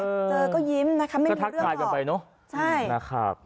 เจอก็ยิ้มนะคะไม่รู้ก็ทักทายกันไปเนอะใช่นะครับ